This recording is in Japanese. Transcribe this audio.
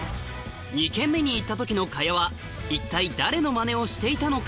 ２軒目に行った時の賀屋は一体誰のマネをしていたのか？